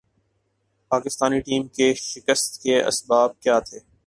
Pakistani team کے شکست کے اسباب کیا تھے ۔